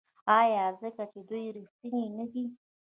آیا ځکه چې دوی ریښتیني نه دي؟